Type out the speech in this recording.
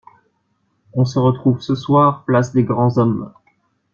On se retrouve ce soir place des grands hommes.